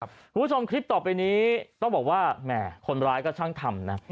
คุณผู้ชมคลิปต่อไปนี้ต้องบอกว่าแหมคนร้ายก็ช่างทำนะ